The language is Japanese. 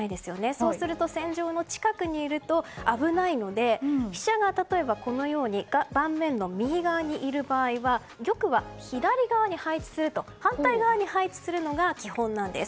そうすると戦場の近くにいると危ないので飛車が盤面の右側にいる場合は玉は左側反対側に配置するのが基本なんです。